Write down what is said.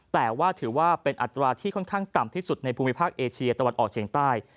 แต่ว่าถือว่าเป็นอัตราที่ค่อนข้างต่ำที่สุดในภูมิภาคเอเชียตะวันออกเฉียงใต้